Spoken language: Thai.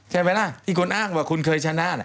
ใช่ไหมล่ะที่คุณอ้างว่าคุณเคยชนะ